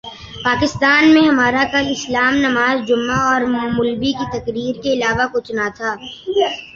پاکستان میں ہمارا کل اسلام نماز جمعہ اور مولبی کی تقریر کے علاوہ کچھ نہ تھا